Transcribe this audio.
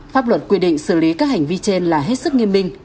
pháp luật quy định xử lý các hành vi trên là hết sức nghiêm minh